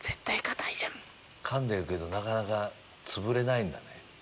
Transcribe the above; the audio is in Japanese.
かんでるけどなかなかつぶれないんだね。